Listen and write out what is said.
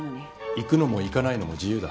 行くのも行かないのも自由だ。